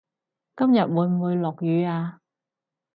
今日會唔會落雨呀